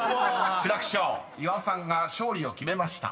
［志らく師匠岩尾さんが勝利を決めました］